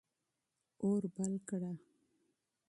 اور بل کړه.